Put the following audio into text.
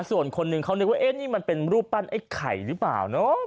ส่วนคนหนึ่งเขานึกว่าเอ๊ะนี่มันเป็นรูปปั้นไอ้ไข่หรือเปล่าเนอะ